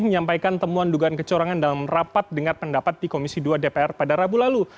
menyampaikan temuan dugaan kecurangan dalam rapat dengar pendapat di komisi dua dpr pada rabu lalu